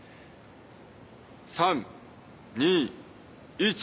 ３・２・１。